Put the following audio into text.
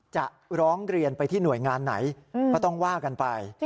จะร้องเรียนไปที่หน่วยงานไหนก็ต้องว่ากันไป